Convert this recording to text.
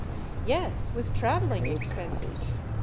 " Yes, with traveling expenses.